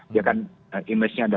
dia kan image nya